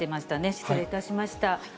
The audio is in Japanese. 失礼いたしました。